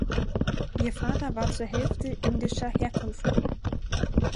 Ihr Vater war zur Hälfte indischer Herkunft.